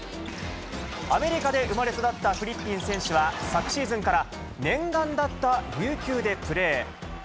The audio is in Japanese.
アメリカで生まれ育ったフリッピン選手は昨シーズンから念願だった琉球でプレー。